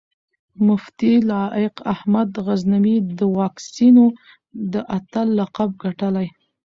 مفتي لائق احمد غزنوي د واکسينو د اتل لقب ګټلی